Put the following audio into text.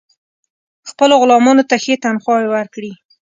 خپلو غلامانو ته ښې تنخواوې ورکړي.